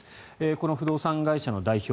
この不動産会社の代表